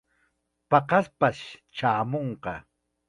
Paqaspash chaamunqa.